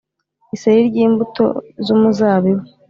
iseri ry’imbuto z’umuzabibu;